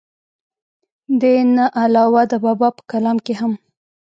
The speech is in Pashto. دې نه علاوه د بابا پۀ کلام کښې هم